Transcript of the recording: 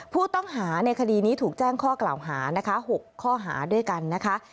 ผู้ต้องหาในคดีนี้ถูกแจ้งข้อกล่าวหานะคะ๖ข้อหาด้วยกันนะคะ